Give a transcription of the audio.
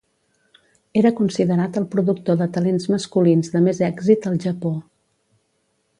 Era considerat el productor de talents masculins de més èxit al Japó.